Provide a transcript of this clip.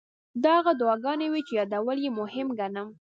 دا هغه دعاګانې وې چې یادول یې مهم ګڼم.